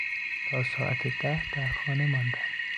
تا ساعت ده در خانه ماندم.